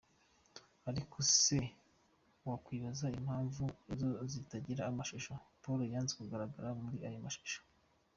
Ariko se wakwibaza impamvu zo zitagira amashusho? Paul yanze kugaragagara muri ayo mashusho.